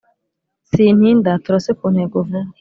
sintinda turase kuntego vuba